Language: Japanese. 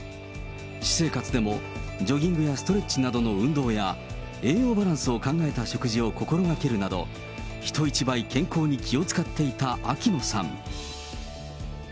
私生活でもジョギングやストレッチなどの運動や、栄養バランスを考えた食事を心がけるなど、人一倍健康に気を遣っていた秋野さん。